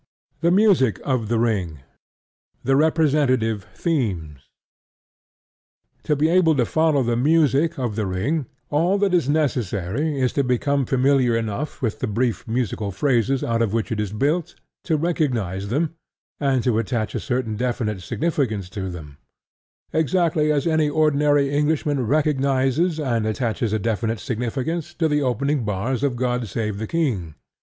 THE MUSIC OF THE RING THE REPRESENTATIVE THEMES To be able to follow the music of The Ring, all that is necessary is to become familiar enough with the brief musical phrases out of which it is built to recognize them and attach a certain definite significance to them, exactly as any ordinary Englishman recognizes and attaches a definite significance to the opening bars of God Save the King.